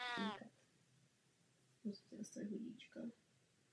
Používal přezdívku Borneo.